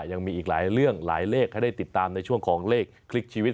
ยังมีอีกหลายเรื่องหลายเลขให้ได้ติดตามในช่วงของเลขคลิกชีวิต